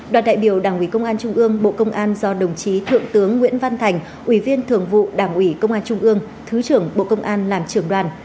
đoàn đại biểu đảng ủy công an trung ương bộ công an do đồng chí thượng tướng nguyễn văn thành ủy viên thường vụ đảng ủy công an trung ương thứ trưởng bộ công an làm trưởng đoàn